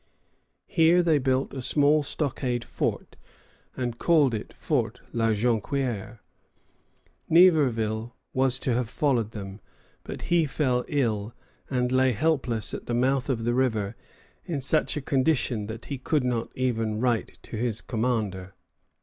Here they built a small stockade fort and called it Fort La Jonquière. Niverville was to have followed them; but he fell ill, and lay helpless at the mouth of the river in such a condition that he could not even write to his commander.